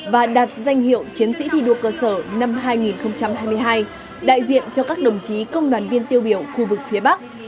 và đạt danh hiệu chiến sĩ thi đua cơ sở năm hai nghìn hai mươi hai đại diện cho các đồng chí công đoàn viên tiêu biểu khu vực phía bắc